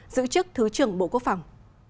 giữ chức thứ trưởng bộ quốc phòng